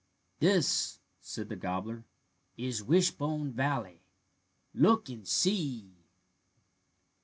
"This," said the gobbler, "is Wishbone Valley. Look and see."